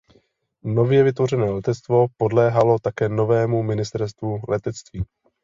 Nově vytvořené letectvo podléhalo také novému Ministerstvu letectví.